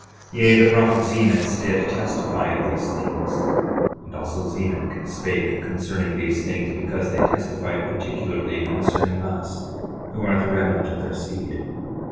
10:16 Yea, the prophet Zenos did testify of these things, and also Zenock spake concerning these things, because they testified particularly concerning us, who are the remnant of their seed.